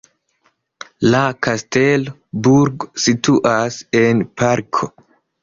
La kastelo-burgo situas en parko.